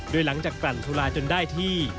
โดยหลังจากกลั่นสุราจนได้ที่